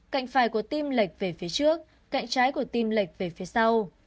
cạnh phải của tim lệch về phía trước cạnh trái của tim lệch về phía sau